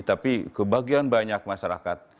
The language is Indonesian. tapi kebahagiaan banyak masyarakat